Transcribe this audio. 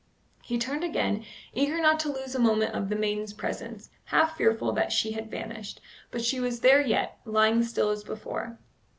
He turned again, eager not to lose a moment of the maiden's presence, half fearful that she had vanished, but she was there yet, lying still as before.